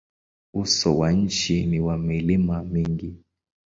Uso wa nchi ni wa milima mingi.